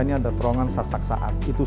ini ada terowongan sasak saat itu